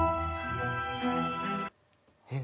えっ？